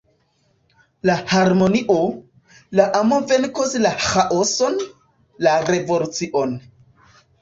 La harmonio, la amo venkos la ĥaoson, la revolucion.